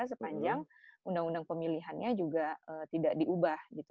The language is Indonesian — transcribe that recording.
sepanjang undang undang pemilihannya juga tidak diubah gitu